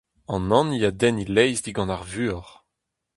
An hini a denn he laezh digant ar vuoc'h.